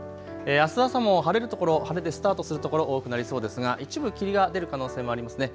あす朝も晴れる所、晴れでスタートする所、多くなりそうですが一部、霧が出る可能性もあります。